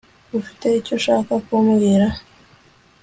Ufite icyo ushaka kumbwira